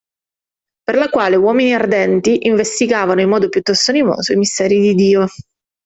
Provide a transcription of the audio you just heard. Per la quale uomini ardenti, investigavano, in modo piuttosto animoso i misteri di Dio.